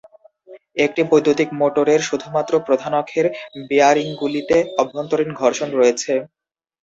একটি বৈদ্যুতিক মোটরের শুধুমাত্র প্রধান অক্ষের বিয়ারিংগুলিতে অভ্যন্তরীণ ঘর্ষণ রয়েছে।